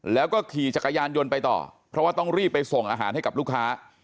แล้วก็ขี่จักรยานยนต์ไปต่อเพราะว่าต้องรีบไปส่งอาหารให้กับลูกค้า